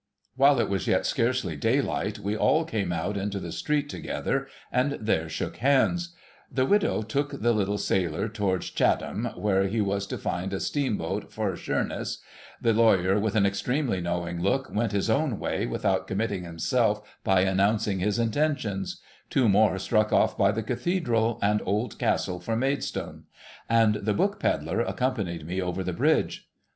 While it was yet scarcely daylight, we all came out into the street together, and there shook hands. The widow took the little sailor towards Chatham, where he was to find a steamboat for Sheer ness; the lawyer, with an extremely knowing look, went his oami way, without committing himself by announcing his intentions ; two more struck off by the cathedral and old castle for Maidstone ; and the book pedler accompanied me over the bridge.